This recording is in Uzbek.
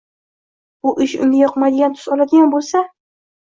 bu ish unga yoqmaydigan tus oladigan bo‘lsa